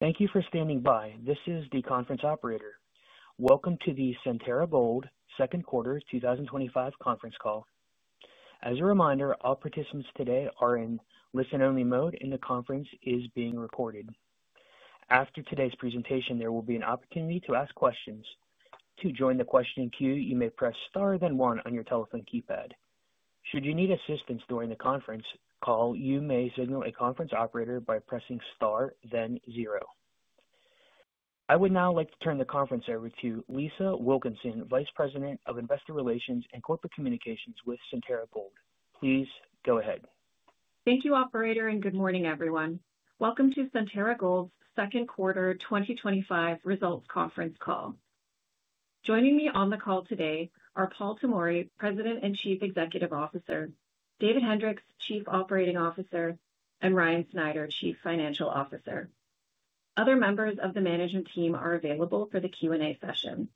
Thank you for standing by. This is the conference operator. Welcome to the Centerra Gold Second Quarter 2025 Conference Call. As a reminder, all participants today are in listen-only mode, and the conference is being recorded. After today's presentation, there will be an opportunity to ask questions. To join the questioning queue, you may press star, then one on your telephone keypad. Should you need assistance during the conference call, you may signal a conference operator by pressing star, then zero. I would now like to turn the conference over to Lisa Wilkinson, Vice President of Investor Relations and Corporate Communications with Centerra Gold. Please go ahead. Thank you, operator, and good morning, everyone. Welcome to Centerra Gold's Second Quarter 2025 Results Conference Call. Joining me on the call today are Paul Tomory, President and Chief Executive Officer; David Hendriks, Chief Operating Officer; and Ryan Snyder, Chief Financial Officer. Other members of the management team are available for the Q&A session.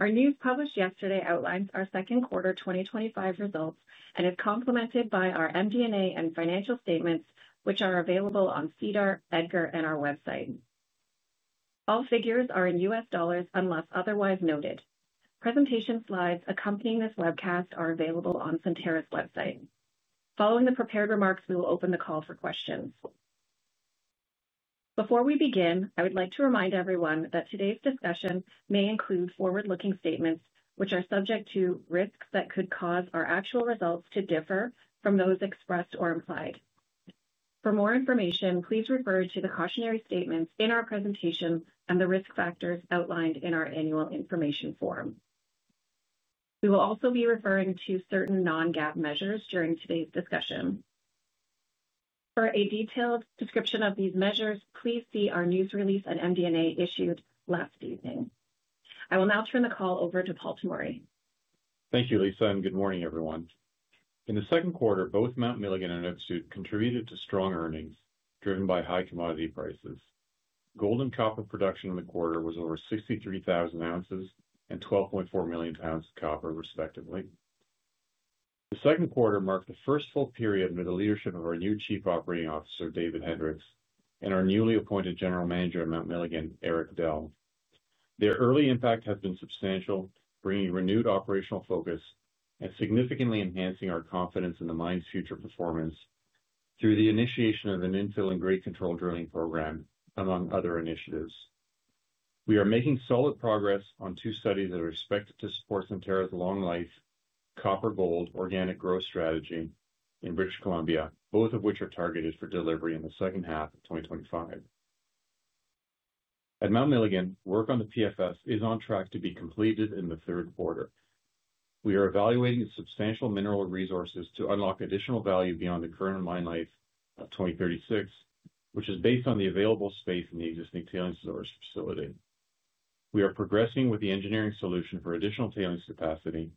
Our news published yesterday outlines our second quarter 2025 results and is complemented by our MD&A and financial statements, which are available on SEDAR, EDGAR, and our website. All figures are in U.S. dollars unless otherwise noted. Presentation slides accompanying this webcast are available on Centerra's website. Following the prepared remarks, we will open the call for questions. Before we begin, I would like to remind everyone that today's discussion may include forward-looking statements, which are subject to risks that could cause our actual results to differ from those expressed or implied. For more information, please refer to the cautionary statements in our presentation and the risk factors outlined in our annual information form. We will also be referring to certain non-GAAP measures during today's discussion. For a detailed description of these measures, please see our news release and MD&A issued last evening. I will now turn the call over to Paul Tomory. Thank you, Lisa, and good morning, everyone. In the second quarter, both Mount Milligan and Öksüt contributed to strong earnings driven by high commodity prices. Gold and copper production in the quarter was over 63,000 oz and 12.4 million lbs of copper, respectively. The second quarter marked the first full period under the leadership of our new Chief Operating Officer, David Hendriks, and our newly appointed General Manager at Mount Milligan, Eric Dell. Their early impact has been substantial, bringing renewed operational focus and significantly enhancing our confidence in the mine's future performance through the initiation of an infill and grade control drilling program, among other initiatives. We are making solid progress on two studies that are expected to support Centerra's long-life copper gold organic growth strategy in British Columbia, both of which are targeted for delivery in the second half of 2025. At Mount Milligan, work on the PFS is on track to be completed in the third quarter. We are evaluating substantial mineral resources to unlock additional value beyond the current mine life of 2036, which is based on the available space in the existing tailings facility. We are progressing with the engineering solution for additional tailings capacity,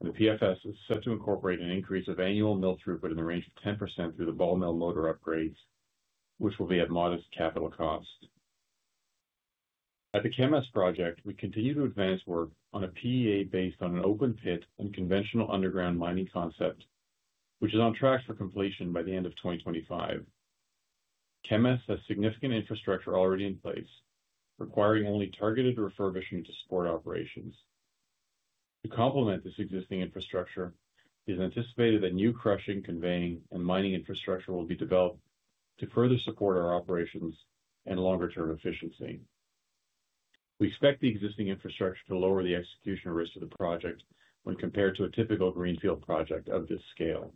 and the PFS is set to incorporate an increase of annual mill throughput in the range of 10% through the ball mill motor upgrades, which will be at modest capital cost. At the Kemess project, we continue to advance work on a PEA based on an open pit and conventional underground mining concept, which is on track for completion by the end of 2025. Kemess has significant infrastructure already in place, requiring only targeted refurbishment to support operations. To complement this existing infrastructure, it is anticipated that new crushing, conveying, and mining infrastructure will be developed to further support our operations and longer-term efficiency. We expect the existing infrastructure to lower the execution risk of the project when compared to a typical greenfield project of this scale.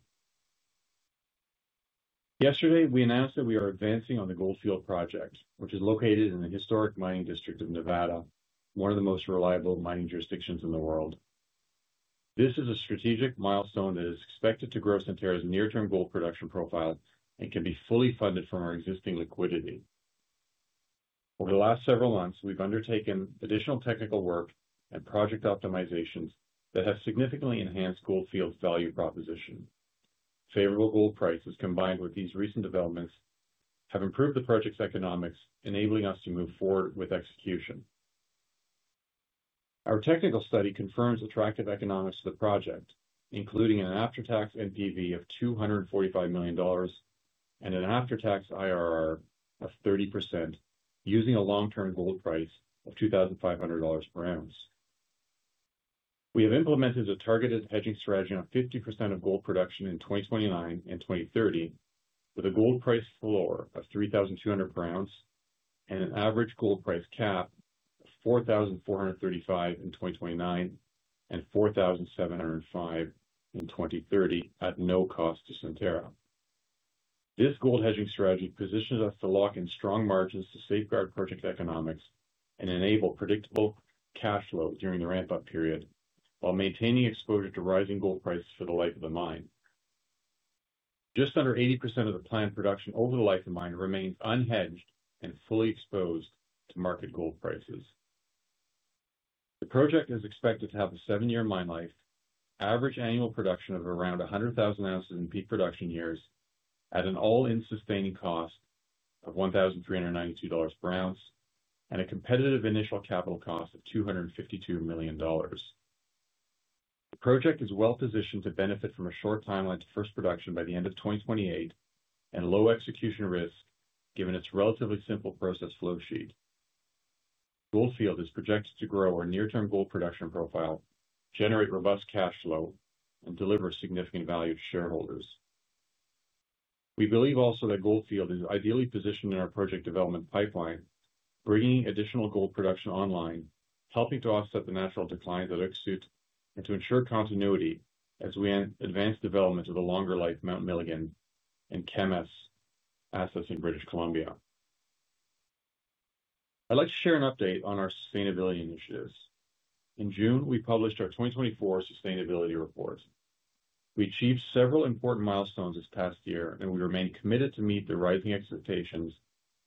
Yesterday, we announced that we are advancing on the Goldfield project, which is located in the historic mining district of Nevada, one of the most reliable mining jurisdictions in the world. This is a strategic milestone that is expected to grow Centerra's near-term gold production profile and can be fully funded from our existing liquidity. Over the last several months, we've undertaken additional technical work and project optimizations that have significantly enhanced Goldfield's value proposition. Favorable gold prices, combined with these recent developments, have improved the project's economics, enabling us to move forward with execution. Our technical study confirms attractive economics for the project, including an after-tax NPV of $245 million and an after-tax IRR of 30%, using a long-term gold price of $2,500 per ounce. We have implemented a targeted hedging strategy on 50% of gold production in 2029 and 2030, with a gold price floor of $3,200 per ounce and an average gold price cap of $4,435 in 2029 and $4,705 in 2030 at no cost to Centerra. This gold hedging strategy positions us to lock in strong margins to safeguard project economics and enable predictable cash flow during the ramp-up period, while maintaining exposure to rising gold prices for the life of the mine. Just under 80% of the planned production over the life of the mine remains unhedged and fully exposed to market gold prices. The project is expected to have a seven-year mine life, average annual production of around 100,000 oz in peak production years, at an all-in sustaining cost of $1,392 per ounce, and a competitive initial capital cost of $252 million. The project is well positioned to benefit from a short timeline to first production by the end of 2028 and low execution risk given its relatively simple process flow sheet. Goldfield is projected to grow our near-term gold production profile, generate robust cash flow, and deliver significant value to shareholders. We believe also that Goldfield is ideally positioned in our project development pipeline, bringing additional gold production online, helping to offset the natural declines at Öksüt and to ensure continuity as we advance development to the longer life Mount Milligan and Kemess assets in British Columbia. I'd like to share an update on our sustainability initiatives. In June, we published our 2024 sustainability report. We achieved several important milestones this past year, and we remain committed to meet the rising expectations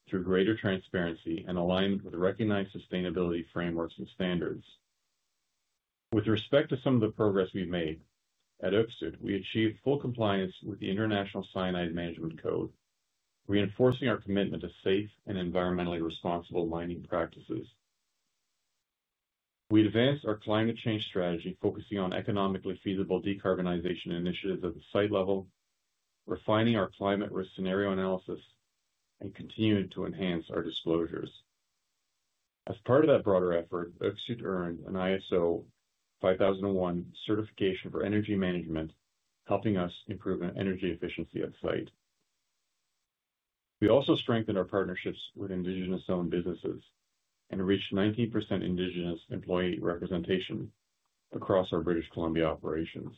through greater transparency and alignment with recognized sustainability frameworks and standards. With respect to some of the progress we've made, at Öksüt, we achieved full compliance with the International Cyanide Management Code, reinforcing our commitment to safe and environmentally responsible mining practices. We advanced our climate change strategy, focusing on economically feasible decarbonization initiatives at the site level, refining our climate risk scenario analysis, and continuing to enhance our disclosures. As part of that broader effort, Öksüt earned an ISO 50001 certification for energy management, helping us improve energy efficiency at the site. We also strengthened our partnerships with Indigenous-owned businesses and reached 19% Indigenous employee representation across our British Columbia operations.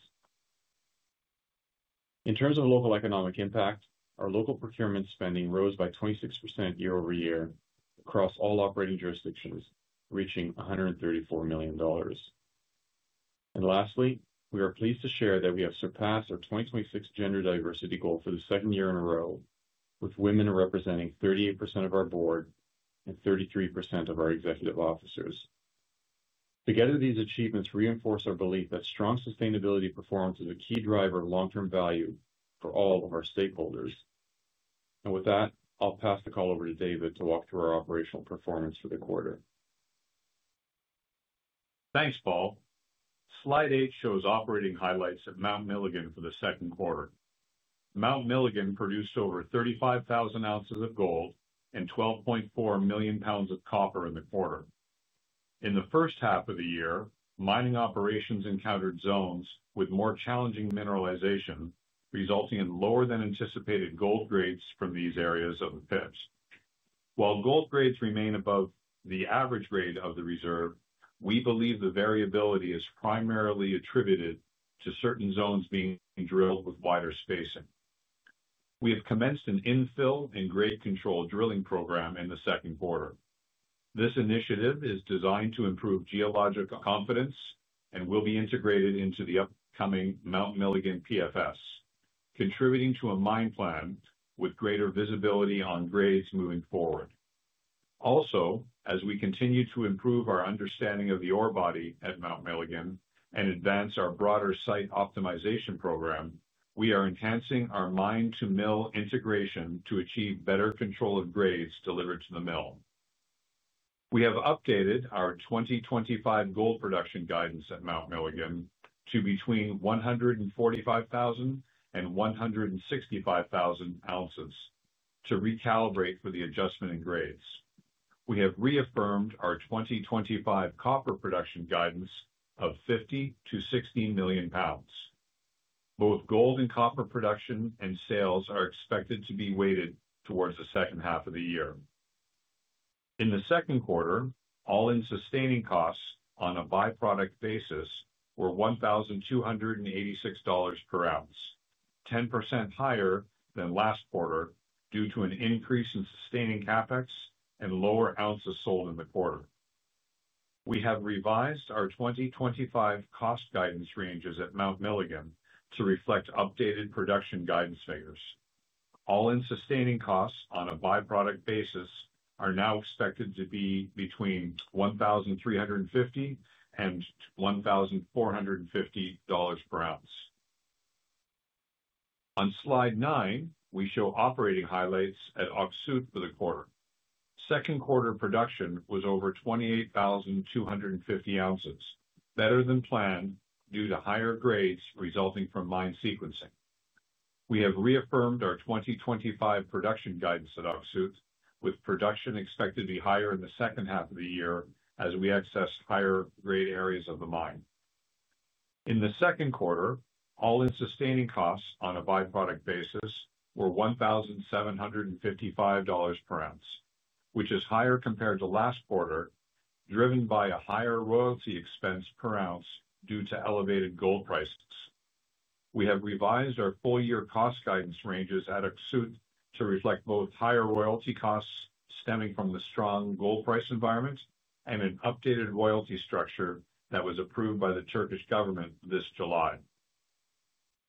In terms of local economic impact, our local procurement spending rose by 26% year-over-year across all operating jurisdictions, reaching $134 million. Lastly, we are pleased to share that we have surpassed our 2026 gender diversity goal for the second year in a row, with women representing 38% of our board and 33% of our executive officers. Together, these achievements reinforce our belief that strong sustainability performance is a key driver of long-term value for all of our stakeholders. With that, I'll pass the call over to David to walk through our operational performance for the quarter. Thanks, Paul. Slide eight shows operating highlights at Mount Milligan for the second quarter. Mount Milligan produced over 35,000 oz of gold and 12.4 million lbs of copper in the quarter. In the first half of the year, mining operations encountered zones with more challenging mineralization, resulting in lower than anticipated gold grades from these areas of the pits. While gold grades remain above the average grade of the reserve, we believe the variability is primarily attributed to certain zones being drilled with wider spacing. We have commenced an infill and grade control drilling program in the second quarter. This initiative is designed to improve geological confidence and will be integrated into the upcoming Mount Milligan PFS, contributing to a mine plan with greater visibility on grades moving forward. Also, as we continue to improve our understanding of the ore body at Mount Milligan and advance our broader site optimization program, we are enhancing our mine-to-mill integration to achieve better control of grades delivered to the mill. We have updated our 2025 gold production guidance at Mount Milligan to between 145,000 oz-165,000 oz to recalibrate for the adjustment in grades. We have reaffirmed our 2025 copper production guidance of 50 million lbs-60 million lbs. Both gold and copper production and sales are expected to be weighted towards the second half of the year. In the second quarter, all-in sustaining costs on a byproduct basis were $1,286 per ounce, 10% higher than last quarter due to an increase in sustaining CapEx and lower ounces sold in the quarter. We have revised our 2025 cost guidance ranges at Mount Milligan to reflect updated production guidance figures. All-in sustaining costs on a byproduct basis are now expected to be between $1,350-$1,450 per ounce. On slide nine, we show operating highlights at Öksüt for the quarter. Second quarter production was over 28,250 oz, better than planned due to higher grades resulting from mine sequencing. We have reaffirmed our 2025 production guidance at Öksüt, with production expected to be higher in the second half of the year as we accessed higher grade areas of the mine. In the second quarter, all-in sustaining costs on a byproduct basis were $1,755 per ounce, which is higher compared to last quarter, driven by a higher royalty expense per ounce due to elevated gold prices. We have revised our full-year cost guidance ranges at Öksüt to reflect both higher royalty costs stemming from the strong gold price environment and an updated royalty structure that was approved by the Turkish government this July.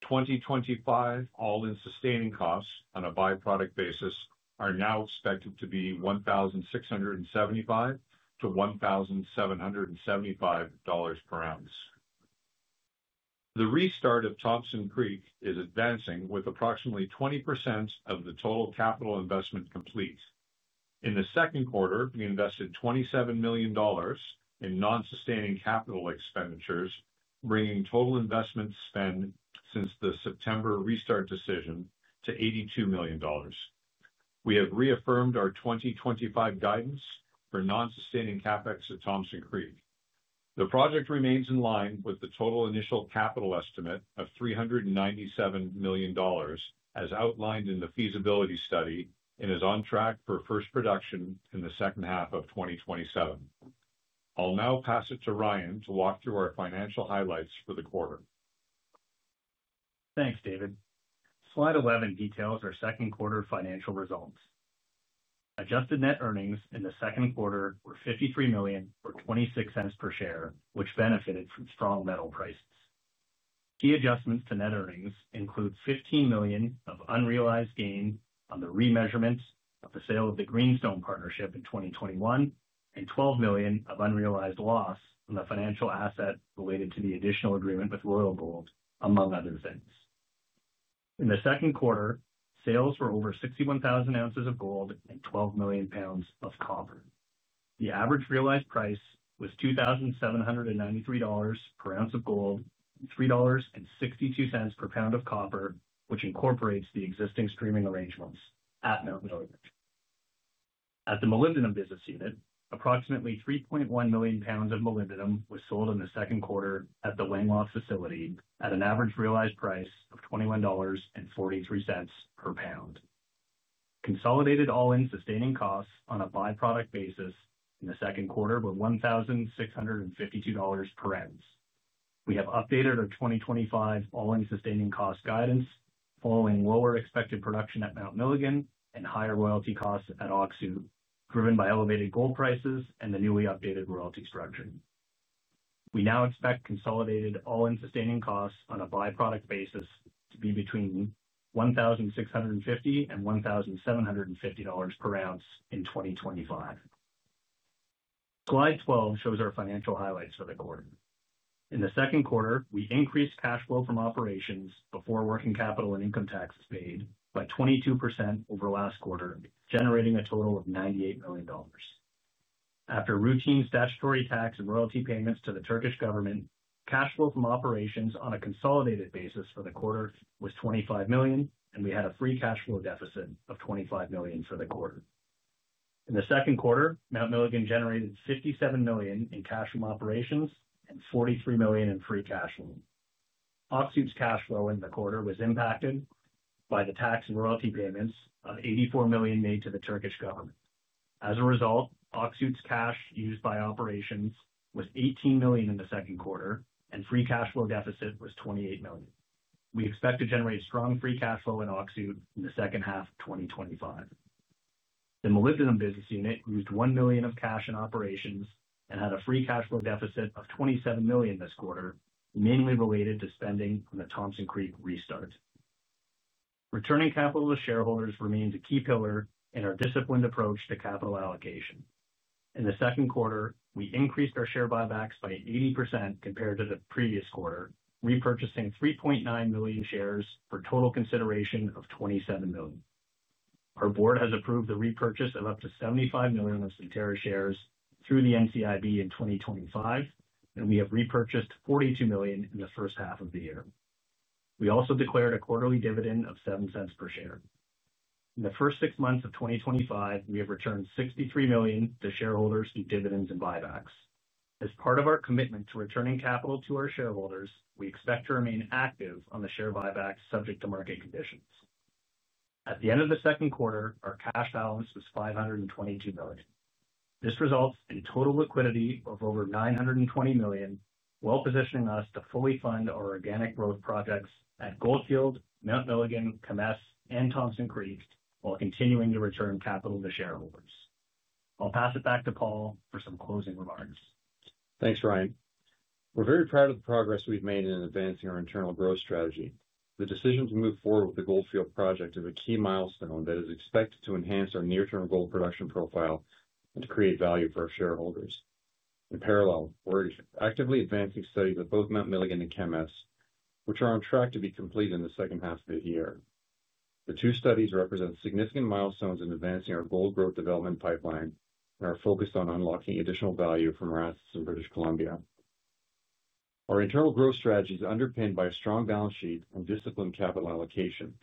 2025 all-in sustaining costs on a byproduct basis are now expected to be $1,675-$1,775 per ounce. The restart of Thompson Creek is advancing with approximately 20% of the total capital investment complete. In the second quarter, we invested $27 million in non-sustaining capital expenditures, bringing total investment spend since the September restart decision to $82 million. We have reaffirmed our 2025 guidance for non-sustaining CapEx at Thompson Creek. The project remains in line with the total initial capital estimate of $397 million as outlined in the feasibility study and is on track for first production in the second half of 2027. I'll now pass it to Ryan to walk through our financial highlights for the quarter. Thanks, David. Slide 11 details our second quarter financial results. Adjusted net earnings in the second quarter were $53 million or $0.26 per share, which benefited from strong metal prices. Key adjustments to net earnings include $15 million of unrealized gain on the remeasurements of the sale of the Greenstone partnership in 2021 and $12 million of unrealized loss on the financial asset related to the additional agreement with Royal Gold, among other things. In the second quarter, sales were over 61,000 oz of gold and 12 million lbs of copper. The average realized price was $2,793 per ounce of gold and $3.62 per pound of copper, which incorporates the existing streaming arrangements at Mount Milligan. At the molybdenum business unit, approximately 3.1 million lbs of molybdenum was sold in the second quarter at the Langeloth facility at an average realized price of $21.43 per pound. Consolidated all-in sustaining costs on a byproduct basis in the second quarter were $1,652 per ounce. We have updated our 2025 all-in sustaining cost guidance, following lower expected production at Mount Milligan and higher royalty costs at Öksüt, driven by elevated gold prices and the newly updated royalty structure. We now expect consolidated all-in sustaining costs on a byproduct basis to be between $1,650-$1,750 per ounce in 2025. Slide 12 shows our financial highlights for the quarter. In the second quarter, we increased cash flow from operations before working capital and income taxes paid by 22% over last quarter, generating a total of $98 million. After routine statutory tax and royalty payments to the Turkish government, cash flow from operations on a consolidated basis for the quarter was $25 million, and we had a free cash flow deficit of $25 million for the quarter. In the second quarter, Mount Milligan generated $57 million in cash from operations and $43 million in free cash flow. Öksüt's cash flow in the quarter was impacted by the tax and royalty payments of $84 million made to the Turkish government. As a result, Öksüt's cash used by operations was $18 million in the second quarter, and the free cash flow deficit was $28 million. We expect to generate strong free cash flow in Öksüt in the second half of 2025. The molybdenum business unit used $1 million of cash in operations and had a free cash flow deficit of $27 million this quarter, mainly related to spending from the Thompson Creek restart. Returning capital to shareholders remains a key pillar in our disciplined approach to capital allocation. In the second quarter, we increased our share buybacks by 80% compared to the previous quarter, repurchasing 3.9 million shares for a total consideration of $27 million. Our board has approved the repurchase of up to $75 million of Centerra shares through the NCIB in 2025, and we have repurchased $42 million in the first half of the year. We also declared a quarterly dividend of $0.07 per share. In the first six months of 2025, we have returned $63 million to shareholders through dividends and buybacks. As part of our commitment to returning capital to our shareholders, we expect to remain active on the share buybacks subject to market conditions. At the end of the second quarter, our cash balance was $522 million. This results in total liquidity of over $920 million, well positioning us to fully fund our organic growth projects at Goldfield, Mount Milligan, Kemess, and Thompson Creek while continuing to return capital to shareholders. I'll pass it back to Paul for some closing remarks. Thanks, Ryan. We're very proud of the progress we've made in advancing our internal growth strategy. The decision to move forward with the Goldfield project is a key milestone that is expected to enhance our near-term gold production profile and create value for our shareholders. In parallel, we're actively advancing studies at both Mount Milligan and Kemess, which are on track to be completed in the second half of the year. The two studies represent significant milestones in advancing our gold growth development pipeline and are focused on unlocking additional value from our assets in British Columbia. Our internal growth strategy is underpinned by a strong balance sheet and disciplined capital allocation.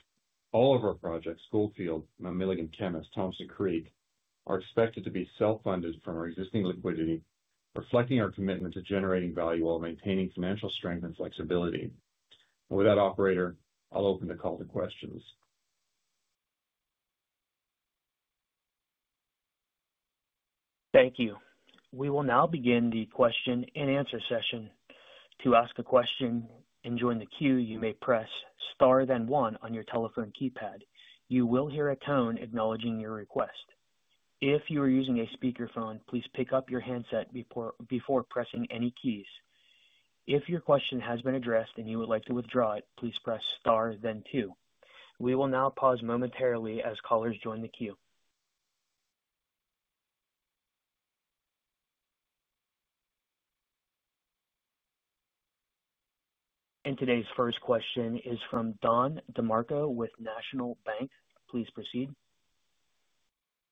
All of our projects: Goldfield, Mount Milligan, Kemess, and Thompson Creek are expected to be self-funded from our existing liquidity, reflecting our commitment to generating value while maintaining financial strength and flexibility. With that, operator, I'll open the call to questions. Thank you. We will now begin the question-and-answer session. To ask a question and join the queue, you may press star then one on your telephone keypad. You will hear a tone acknowledging your request. If you are using a speakerphone, please pick up your handset before pressing any keys. If your question has been addressed and you would like to withdraw it, please press star then two. We will now pause momentarily as callers join the queue. Today's first question is from Don DeMarco with National Bank. Please proceed.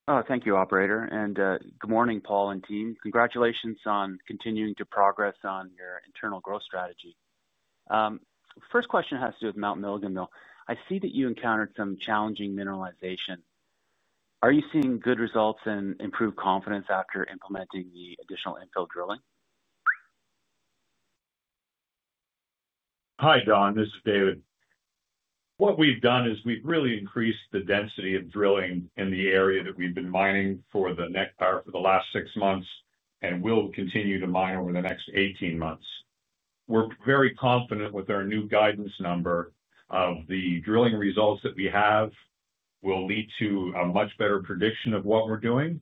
Thank you, operator. Good morning, Paul and team. Congratulations on continuing to progress on your internal growth strategy. First question has to do with Mount Milligan. I see that you encountered some challenging mineralization. Are you seeing good results and improved confidence after implementing the additional infill drilling? Hi, Don. This is David. What we've done is we've really increased the density of drilling in the area that we've been mining for the last six months and will continue to mine over the next 18 months. We're very confident with our new guidance number of the drilling results that we have will lead to a much better prediction of what we're doing.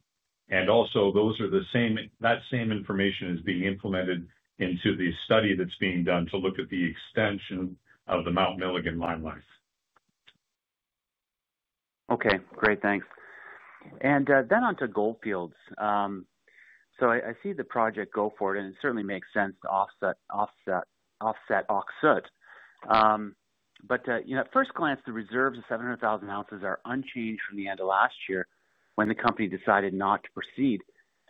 Also, that same information is being implemented into the study that's being done to look at the extension of the Mount Milligan mine life. Okay, great, thanks. On to the Goldfield project. I see the project go forward, and it certainly makes sense to offset Öksüt. At first glance, the reserves of 700,000 oz are unchanged from the end of last year when the company decided not to proceed.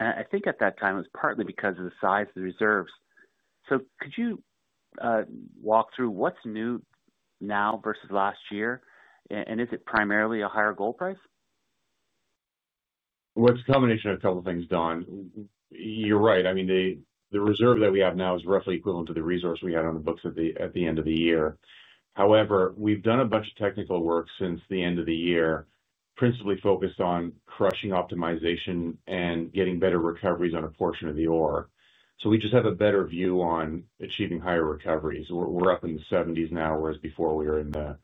I think at that time it was partly because of the size of the reserves. Could you walk through what's new now versus last year? Is it primarily a higher gold price? It's a combination of a couple of things, Don. You're right. I mean, the reserve that we have now is roughly equivalent to the resource we had on the books at the end of the year. However, we've done a bunch of technical work since the end of the year, principally focused on crushing optimization and getting better recoveries on a portion of the ore. We just have a better view on achieving higher recoveries. We're up in the 70s now, whereas before we were in the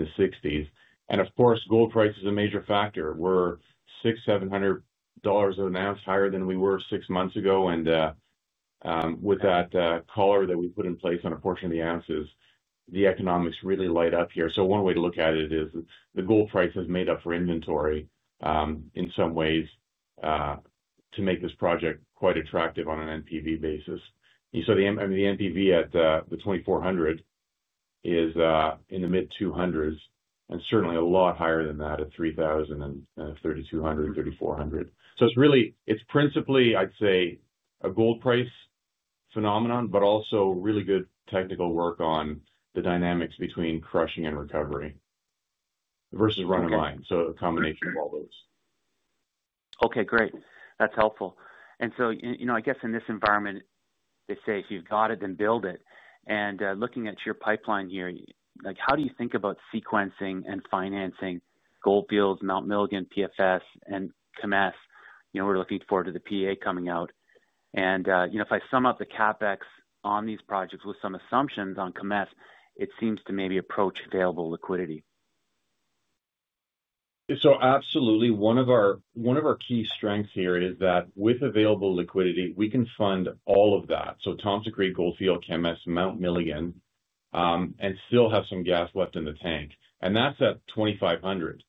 60s. Of course, gold price is a major factor. We're $600, $700 an ounce higher than we were six months ago. With that collar that we put in place on a portion of the ounces, the economics really light up here. One way to look at it is the gold price has made up for inventory in some ways to make this project quite attractive on an NPV basis. You saw the NPV at the $2,400 is in the mid-$200 million and certainly a lot higher than that at $3,000 and $3,200 and $3,400. It's really, it's principally, I'd say, a gold price phenomenon, but also really good technical work on the dynamics between crushing and recovery versus running a mine. A combination of all those. Okay, great. That's helpful. In this environment, they say if you've got it, then build it. Looking at your pipeline here, how do you think about sequencing and financing Goldfield, Mount Milligan, PFS, and Kemess? We're looking forward to the PEA coming out. If I sum up the CapEx on these projects with some assumptions on Kemess, it seems to maybe approach available liquidity. Absolutely. One of our key strengths here is that with available liquidity, we can fund all of that. Thompson Creek, Goldfield project, Kemess, Mount Milligan, and still have some gas left in the tank. That's at $2,500.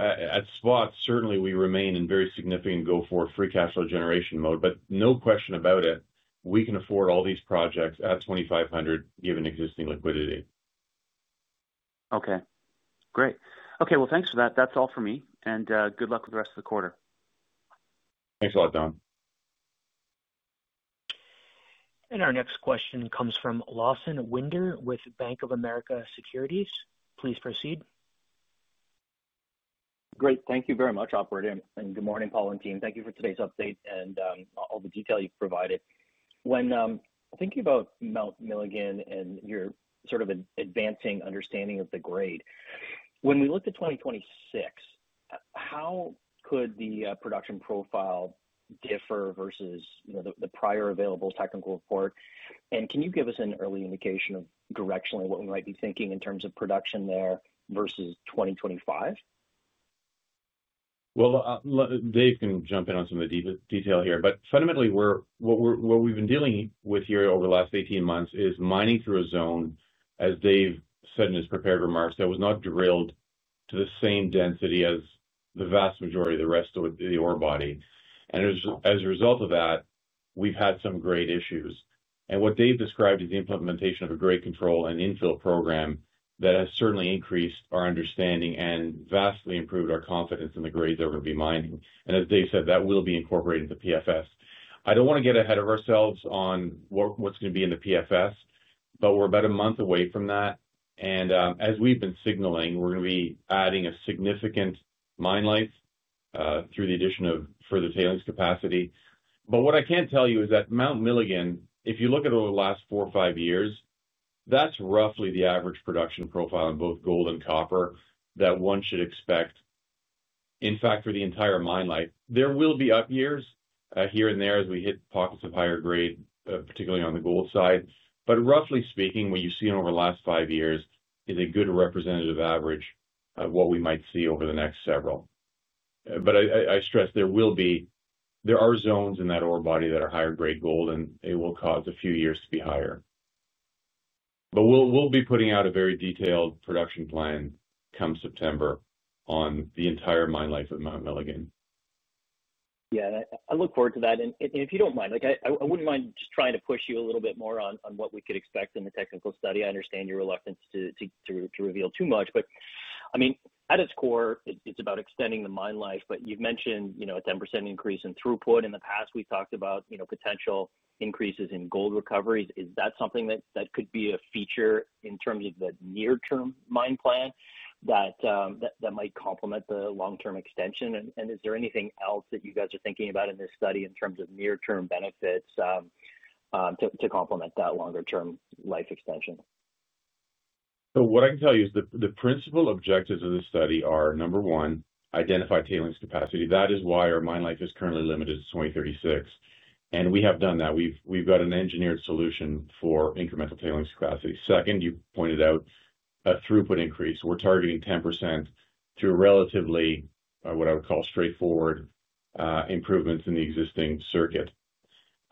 At spot, certainly we remain in very significant go forward free cash flow generation mode. No question about it, we can afford all these projects at $2,500 given existing liquidity. Okay, great. Thanks for that. That's all for me, and good luck with the rest of the quarter. Thanks a lot, Don DeMarco. Our next question comes from Lawson Winder with Bank of America Securities. Please proceed. Great, thank you very much, operator. Good morning, Paul and team. Thank you for today's update and all the detail you've provided. When thinking about Mount Milligan and your sort of advancing understanding of the grade, when we looked at 2026, how could the production profile differ versus the prior available technical report? Can you give us an early indication of directionally what we might be thinking in terms of production there versus 2025? Dave can jump in on some of the detail here. Fundamentally, what we've been dealing with here over the last 18 months is mining through a zone, as Dave said in his prepared remarks, that was not drilled to the same density as the vast majority of the rest of the ore body. As a result of that, we've had some grade issues. What Dave described is the implementation of a grade control and infill program that has certainly increased our understanding and vastly improved our confidence in the grades that we're going to be mining. As Dave said, that will be incorporated into the PFS. I don't want to get ahead of ourselves on what's going to be in the PFS, but we're about a month away from that. As we've been signaling, we're going to be adding a significant mine life through the addition of further tailings capacity. What I can tell you is that Mount Milligan, if you look at the last four or five years, that's roughly the average production profile in both gold and copper that one should expect. In fact, for the entire mine life, there will be up years here and there as we hit pockets of higher grade, particularly on the gold side. Roughly speaking, what you've seen over the last five years is a good representative average of what we might see over the next several. I stress there will be, there are zones in that ore body that are higher grade gold, and it will cause a few years to be higher. We'll be putting out a very detailed production plan come September on the entire mine life of Mount Milligan. Yeah, I look forward to that. If you don't mind, I wouldn't mind trying to push you a little bit more on what we could expect in the technical study. I understand your reluctance to reveal too much. At its core, it's about extending the mine life. You've mentioned a 10% increase in throughput. In the past, we talked about potential increases in gold recoveries. Is that something that could be a feature in terms of the near-term mine plan that might complement the long-term extension? Is there anything else that you guys are thinking about in this study in terms of near-term benefits to complement that longer-term life extension? What I can tell you is that the principal objectives of this study are, number one, identify tailings capacity. That is why our mine life is currently limited to 2036. We have done that. We've got an engineered solution for incremental tailings capacity. Second, you pointed out a throughput increase. We're targeting 10% through relatively, what I would call, straightforward improvements in the existing circuit.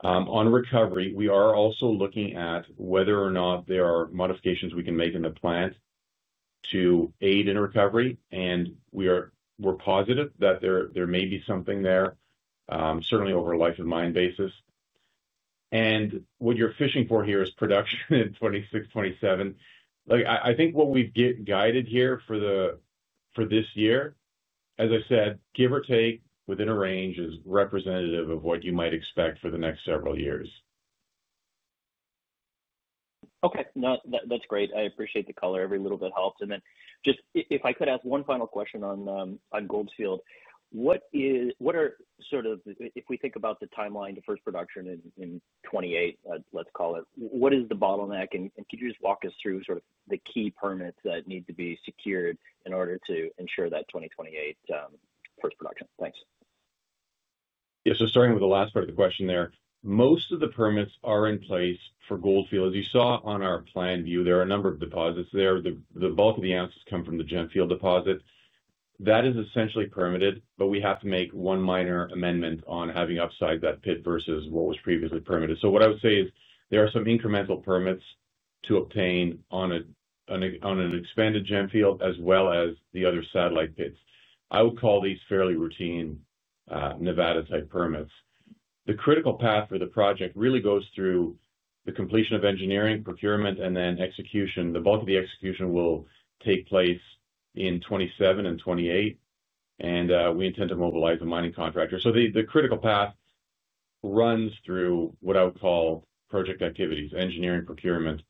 On recovery, we are also looking at whether or not there are modifications we can make in the plant to aid in recovery. We're positive that there may be something there, certainly over a life-of-mine basis. What you're fishing for here is production in 2026, 2027. I think what we've guided here for this year, as I said, give or take within a range, is representative of what you might expect for the next several years. Okay, no, that's great. I appreciate the color. Every little bit helps. If I could ask one final question on the Goldfield project, what is, what are sort of, if we think about the timeline to first production in 2028, let's call it, what is the bottleneck? Could you just walk us through sort of the key permits that need to be secured in order to ensure that 2028 first production? Thanks. Yeah, starting with the last part of the question there, most of the permits are in place for the Goldfield project. As you saw on our plan view, there are a number of deposits there. The bulk of the ounces come from the Gemfield deposit. That is essentially permitted, but we have to make one minor amendment on having upsides to that pit versus what was previously permitted. What I would say is there are some incremental permits to obtain on an expanded Gemfield as well as the other satellite pits. I would call these fairly routine Nevada-type permits. The critical path for the project really goes through the completion of engineering, procurement, and then execution. The bulk of the execution will take place in 2027 and 2028. We intend to mobilize a mining contractor. The critical path runs through what I would call project activities, engineering, procurement,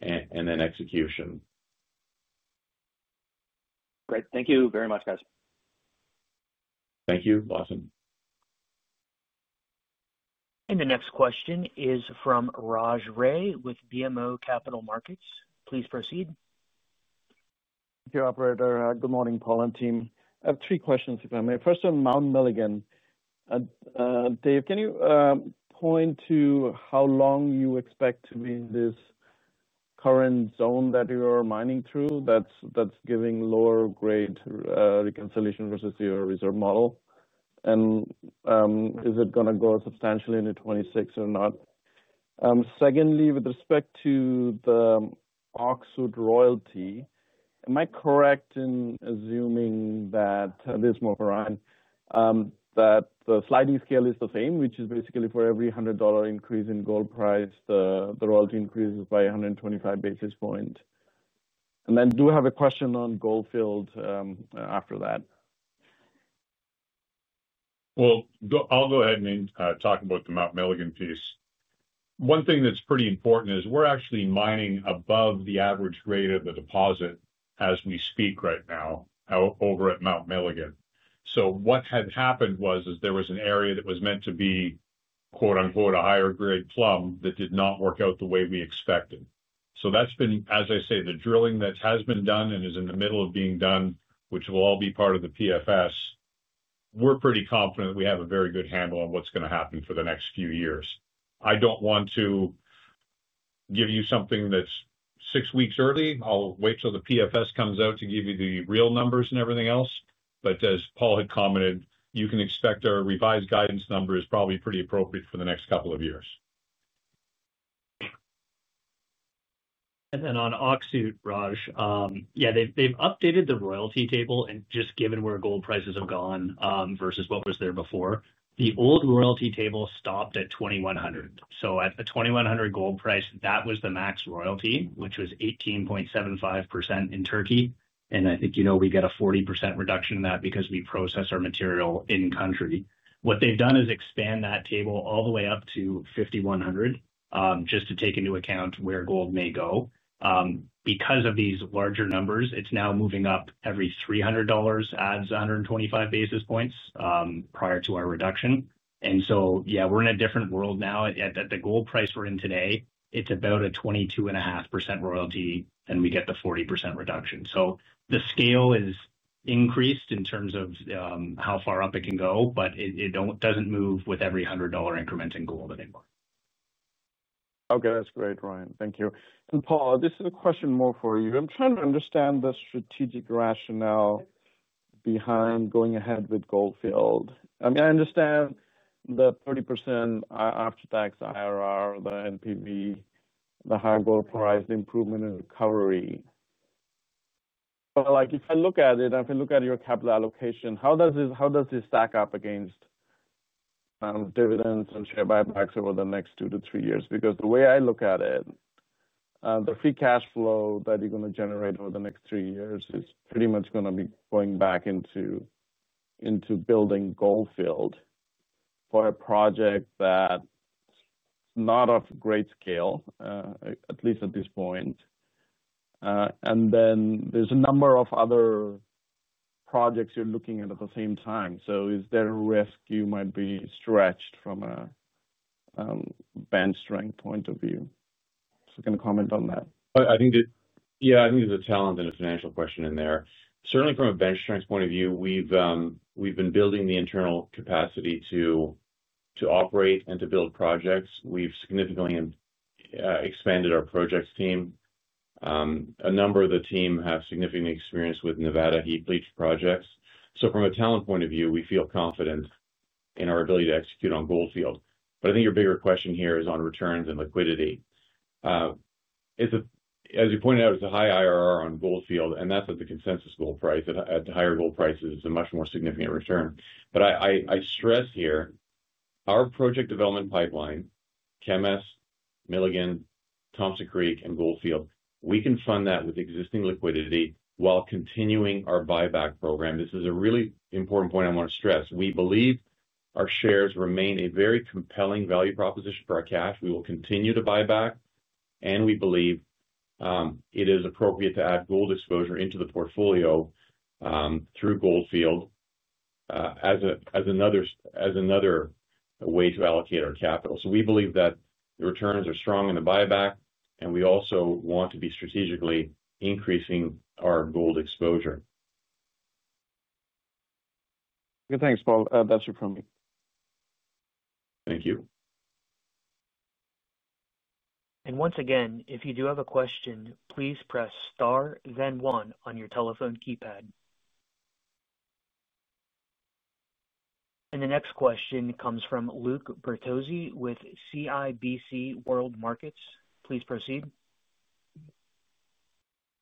and then execution. Great, thank you very much, guys. Thank you, Lawson. The next question is from Raj Ray with BMO Capital Markets. Please proceed. Thank you, operator. Good morning, Paul and team. I have three questions, if I may. First on Mount Milligan. Dave, can you point to how long you expect to be in this current zone that you're mining through that's giving lower grade reconciliation versus your reserve model? Is it going to grow substantially into 2026 or not? Secondly, with respect to the Öksüt royalty, am I correct in assuming that, this is more for Ryan, that the sliding scale is the same, which is basically for every $100 increase in gold price, the royalty increases by 1.25%? I have a question on Goldfield after that. I'll go ahead and talk about the Mount Milligan piece. One thing that's pretty important is we're actually mining above the average grade of the deposit as we speak right now over at Mount Milligan. What had happened was there was an area that was meant to be, quote unquote, a higher grade plum that did not work out the way we expected. That's been, as I say, the drilling that has been done and is in the middle of being done, which will all be part of the PFS. We're pretty confident we have a very good handle on what's going to happen for the next few years. I don't want to give you something that's six weeks early. I'll wait till the PFS comes out to give you the real numbers and everything else. As Paul had commented, you can expect our revised guidance number is probably pretty appropriate for the next couple of years. On Öksüt, Raj, they've updated the royalty table and just given where gold prices have gone versus what was there before. The old royalty table stopped at $2,100. At the $2,100 gold price, that was the max royalty, which was 18.75% in Turkey. I think we get a 40% reduction in that because we process our material in-country. What they've done is expand that table all the way up to $5,100, just to take into account where gold may go. Because of these larger numbers, it's now moving up every $300 adds 125 basis points prior to our reduction. We're in a different world now. At the gold price we're in today, it's about a 22.5% royalty, and we get the 40% reduction. The scale is increased in terms of how far up it can go, but it doesn't move with every $100 increment in gold anymore. Okay, that's great, Ryan. Thank you. Paul, this is a question more for you. I'm trying to understand the strategic rationale behind going ahead with Goldfield. I mean, I understand the 30% after-tax IRR, the NPV, the higher gold price, the improvement in recovery. If I look at it, if I look at your capital allocation, how does this stack up against dividends and share buybacks over the next two to three years? The way I look at it, the free cash flow that you're going to generate over the next three years is pretty much going to be going back into building Goldfield for a project that's not of great scale, at least at this point. There are a number of other projects you're looking at at the same time. Is there a risk you might be stretched from a bench strength point of view? Can I kind of comment on that? I think there's a talent and a financial question in there. Certainly, from a bench strength point of view, we've been building the internal capacity to operate and to build projects. We've significantly expanded our projects team. A number of the team have significant experience with Nevada heap leach projects. From a talent point of view, we feel confident in our ability to execute on Goldfield. I think your bigger question here is on returns and liquidity. As you pointed out, it's a high IRR on Goldfield, and that's at the consensus gold price. At higher gold prices, it's a much more significant return. I stress here, our project development pipeline, Kemess, Milligan, Thompson Creek, and Goldfield, we can fund that with existing liquidity while continuing our buyback program. This is a really important point I want to stress. We believe our shares remain a very compelling value proposition for our cash. We will continue to buy back, and we believe it is appropriate to add gold exposure into the portfolio through Goldfield as another way to allocate our capital. We believe that the returns are strong in the buyback, and we also want to be strategically increasing our gold exposure. Thanks, Paul. That's it from me. Thank you. If you do have a question, please press star then one on your telephone keypad. The next question comes from Luke Bertozzi with CIBC World Markets. Please proceed.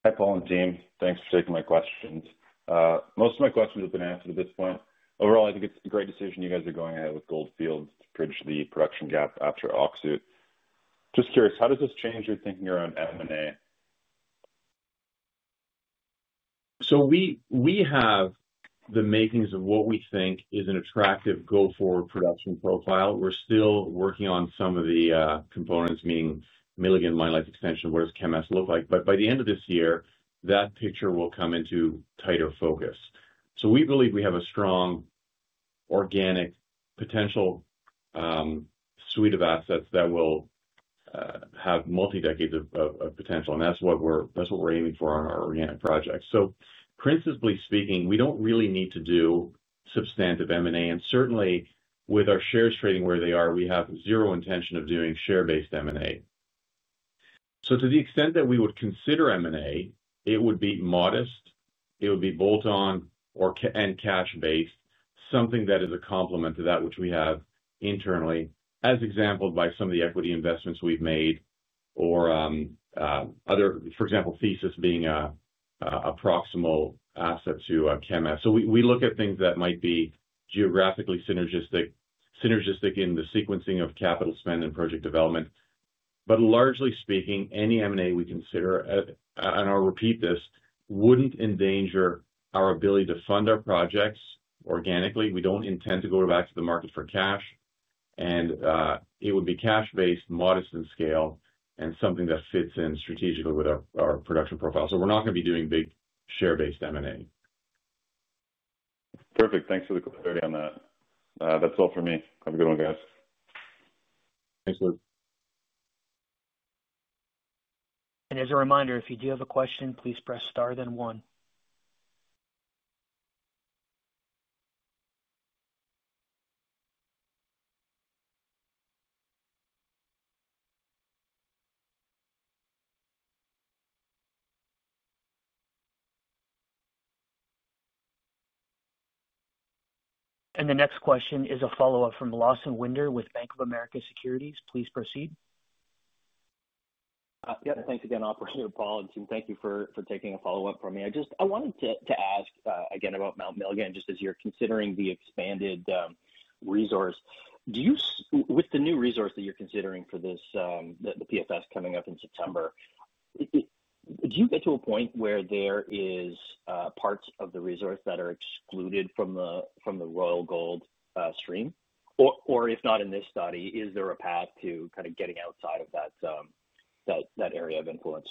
Hi, Paul and team. Thanks for taking my questions. Most of my questions have been answered at this point. Overall, I think it's a great decision you guys are going ahead with Goldfield to bridge the production gap after Öksüt. Just curious, how does this change your thinking around M&A? We have the makings of what we think is an attractive go-forward production profile. We're still working on some of the components, meaning Mount Milligan mine life extension, what does Kemess look like? By the end of this year, that picture will come into tighter focus. We believe we have a strong organic potential suite of assets that will have multi-decades of potential. That's what we're aiming for on our organic projects. Principally speaking, we don't really need to do substantive M&A. Certainly, with our shares trading where they are, we have zero intention of doing share-based M&A. To the extent that we would consider M&A, it would be modest. It would be bolt-on or cash-based, something that is a complement to that which we have internally, as exampled by some of the equity investments we've made or other, for example, Thesis being a proximal asset to Kemess. We look at things that might be geographically synergistic in the sequencing of capital spend and project development. Largely speaking, any M&A we consider, and I'll repeat this, wouldn't endanger our ability to fund our projects organically. We don't intend to go back to the market for cash. It would be cash-based, modest in scale, and something that fits in strategically with our production profile. We're not going to be doing big share-based M&A. Perfect. Thanks for the clarity on that. That's all for me. Have a good one, guys. Thanks, Luke. As a reminder, if you do have a question, please press star then one. The next question is a follow-up from Lawson Winder with Bank of America Securities. Please proceed. Thanks again, operator, Paul, and team. Thank you for taking a follow-up from me. I wanted to ask again about Mount Milligan, just as you're considering the expanded resource. With the new resource that you're considering for this, the PFS coming up in September, do you get to a point where there are parts of the resource that are excluded from the Royal Gold stream? Or if not in this study, is there a path to kind of getting outside of that area of influence?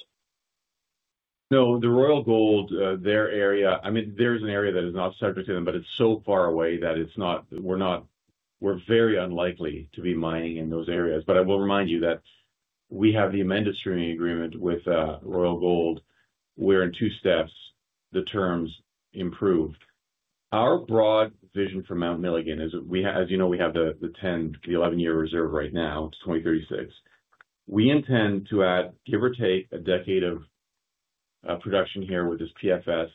No, the Royal Gold, their area, I mean, there's an area that is not subject to them, but it's so far away that it's not, we're not, we're very unlikely to be mining in those areas. I will remind you that we have the amended streaming agreement with Royal Gold, where in two steps, the terms improved. Our broad vision for Mount Milligan is, as you know, we have the 10, the 11-year reserve right now. It's 2036. We intend to add, give or take, a decade of production here with this PFS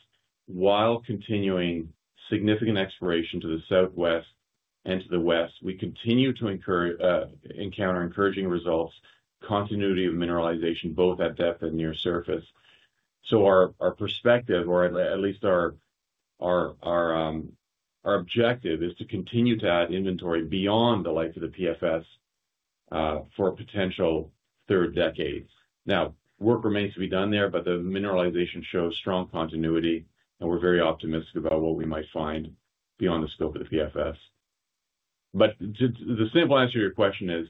while continuing significant exploration to the southwest and to the west. We continue to encounter encouraging results, continuity of mineralization, both at depth and near surface. Our perspective, or at least our objective, is to continue to add inventory beyond the life of the PFS for a potential third decade. Work remains to be done there, but the mineralization shows strong continuity, and we're very optimistic about what we might find beyond the scope of the PFS. The simple answer to your question is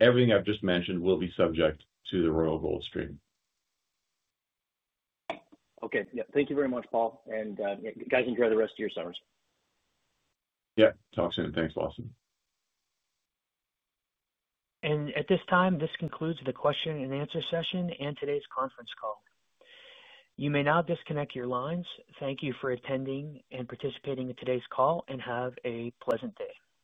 everything I've just mentioned will be subject to the Royal Gold stream. Okay, yeah, thank you very much, Paul. Guys, enjoy the rest of your summers. Yeah, talk soon. Thanks, Lawson. At this time, this concludes the question-and-answer session and today's conference call. You may now disconnect your lines. Thank you for attending and participating in today's call and have a pleasant day.